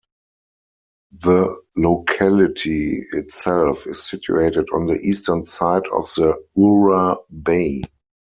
The locality itself is situated on the eastern side of the Ura Bay.